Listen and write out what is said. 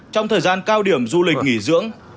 trong thời gian cao điểm du lịch nghỉ dưỡng